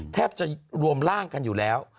แทบจะรวมร่างกันอยู่แล้ว